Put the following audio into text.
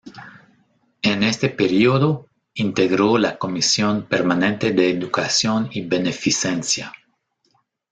En este período integró la Comisión permanente de Educación y Beneficencia.